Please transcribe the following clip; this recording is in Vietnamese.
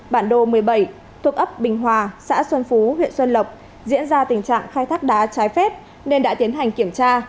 bản đồ một mươi bảy thuộc ấp bình hòa xã xuân phú huyện xuân lộc diễn ra tình trạng khai thác đá trái phép nên đã tiến hành kiểm tra